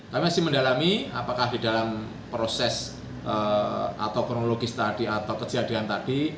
kami masih mendalami apakah di dalam proses atau kronologis tadi atau kejadian tadi